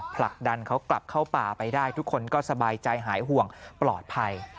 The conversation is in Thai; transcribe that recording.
ผลักดันเขากลับเข้าป่าไปได้ทุกคนก็สบายใจหายห่วงปลอดภัย